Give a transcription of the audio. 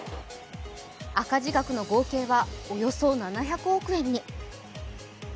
赤字額の合計はおよそ７００億円に。